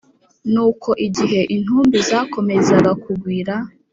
Nuko igihe intumbi zakomezaga kugwira,